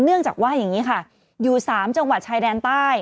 เนื่องจากว่าอย่างนี้ค่ะอยู่๓จังหวัดชายแดนใต้